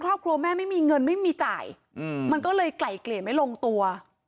ครอบครัวแม่ไม่มีเงินไม่มีจ่ายมันก็เลยไกล่เกลี่ยไม่ลงตัว